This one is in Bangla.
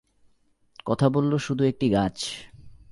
কথা বলল শুধু একটি গাছ।